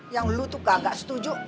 yang lu tuh agak setuju